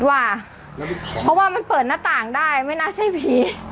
เพราะว่ามันเปิดหน้าต่างได้ไม่น่าใช่ผี